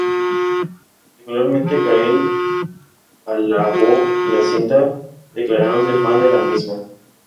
Particularmente Kael alabó la cinta, declarándose fan de la misma.